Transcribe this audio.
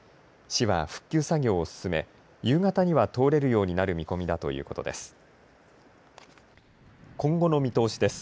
市は復旧作業を進め夕方には通れるようになる見込みだということです。